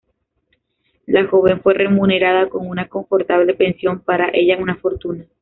La joven fue remunerada con una confortable pensión, para ella una fortuna.